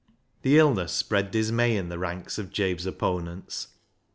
This illness spread dismay in the ranks of Jabe's opponents.